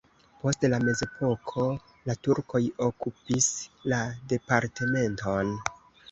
Post la mezepoko la turkoj okupis la departementon.